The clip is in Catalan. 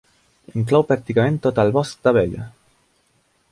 Inclou pràcticament tot el Bosc d'Abella.